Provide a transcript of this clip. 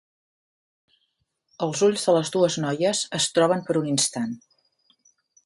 Els ulls de les dues noies es troben per un instant.